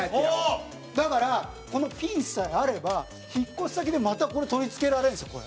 だからこのピンさえあれば引っ越し先で、また、これ取り付けられるんですよ、これ。